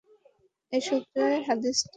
এ সূত্রে হাদীসটি মুরসাল।